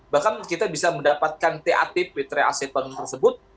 bahkan kita bisa mendapatkan tat petri aceton tersebut